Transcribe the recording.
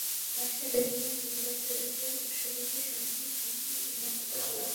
আসিয়া দেখিলেন যুবরাজের একদল অশ্বারোহী সৈন্য ছিন্নভিন্ন হইয়া পালাইতেছে, তিনি তাহাদিগকে ফিরাইয়া লইলেন।